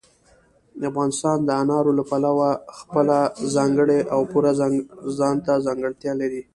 افغانستان د انارو له پلوه خپله ځانګړې او پوره ځانته ځانګړتیا لري.